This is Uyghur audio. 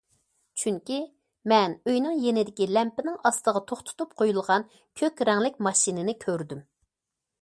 چۈنكى، مەن ئۆينىڭ يېنىدىكى لەمپىنىڭ ئاستىغا توختىتىپ قويۇلغان كۆك رەڭلىك ماشىنىنى كۆردۈم.